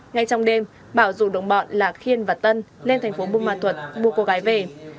ngay trong đêm bảo dù đồng bọn là khiên và tân lên thành phố bù ma thuật mua cô gái về